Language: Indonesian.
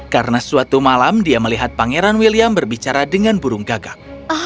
karena suatu malam dia melihat pangeran william berbicara dengan burung gagak